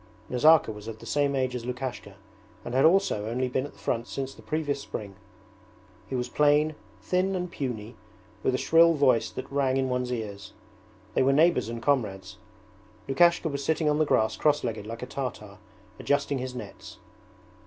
Nazarka was of the same age as Lukashka and had also only been at the front since the previous spring. He was plain, thin and puny, with a shrill voice that rang in one's ears. They were neighbours and comrades. Lukashka was sitting on the grass crosslegged like a Tartar, adjusting his nets.